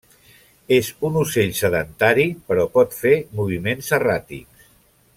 És un ocell sedentari però pot fer moviments erràtics.